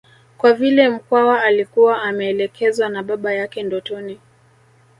Kwa vile Mkwawa alikuwa ameelekezwa na baba yake ndotoni